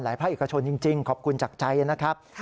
ภาคเอกชนจริงขอบคุณจากใจนะครับ